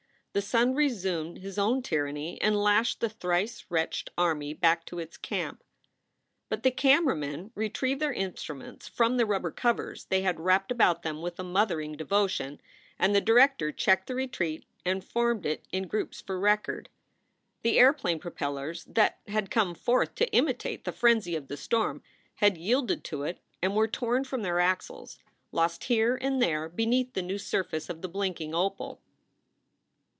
The sun resumed his own tyranny and lashed the thrice wretched army back to its camp. But the camera men retrieved their instruments from the rubber covers they had wrapped about them with a mother ing devotion, and the director checked the retreat and formed it in groups for record. The airplane propellers that haa come forth to imitate the frenzy of the storm had yielded to it and were torn from their axles, lost here and there beneath the new surface of the blinking opal.